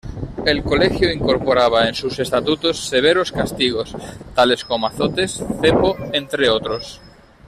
El Colegio incorporaba en sus estatutos severos castigos, tales como azotes, cepo, entre otros.